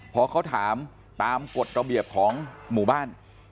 พอเขาถามตามกฎระเบียบของหมู่บ้าน